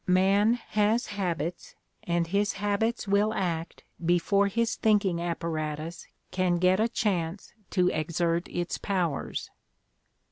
... Man "has habits, and his habits will act before his thinking apparatus can get a chance to exert its powers."